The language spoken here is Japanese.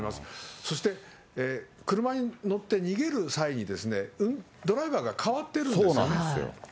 そして、車に乗って逃げる際にですね、ドライバーが変わってるんそうなんですよ。